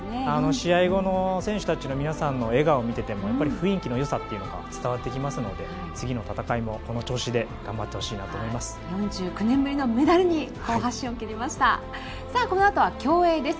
試合後の選手の皆さんの笑顔とかを見ていても雰囲気のよさというのが伝わってきますので次の戦いもこの調子で頑張ってほしいなと思います。